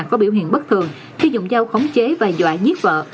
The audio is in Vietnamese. có biểu hiện bất thường khi dùng dao khống chế và dọa nhít vợ